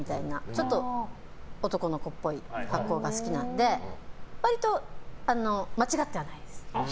ちょっと男の子っぽい格好が好きなので割と間違ってはないです。